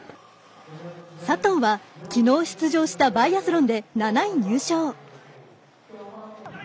佐藤はきのう出場したバイアスロンで７位入賞。